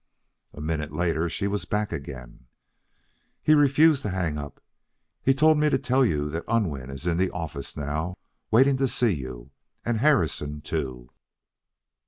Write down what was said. A minute later she was back again. "He refuses to hang up. He told me to tell you that Unwin is in the office now, waiting to see you, and Harrison, too.